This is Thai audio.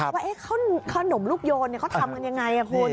ว่าเอ๊ะขนมลูกโยนเนี้ยเขาทำกันยังไงอ่ะคุณ